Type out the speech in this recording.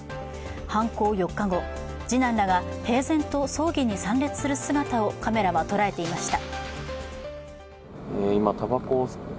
犯行４日後、次男らが平然と葬儀に参列する姿をカメラは捉えていました。